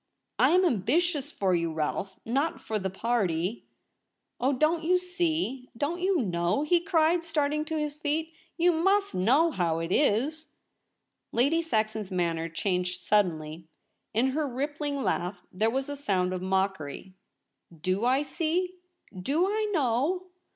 ' I am ambitious for you, Rolfe — not for the party.' ' Oh, don't you see ? Don't you know ?' he cried, starting to his feet. ' You mus^ know how it is I* Lady Saxon's manner changed suddenly. In her rippling laugh there was a sound of mockery. * Do I see ? Do I know